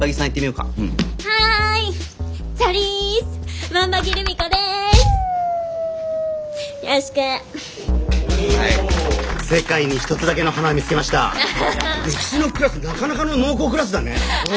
うちのクラスなかなかの濃厚クラスだね。